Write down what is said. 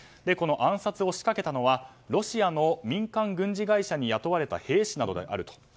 この暗殺を仕掛けたのはロシアの民間軍事会社に雇われた兵士などであると。